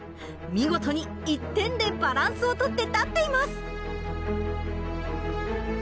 見事に１点でバランスを取って立っています。